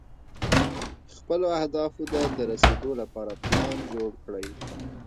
خپلو اهدافو ته د رسېدو لپاره پلان جوړ کړئ.